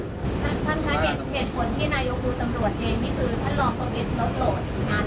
ท่านท่านจะเห็นเหตุผลที่นายกูตำรวจเอง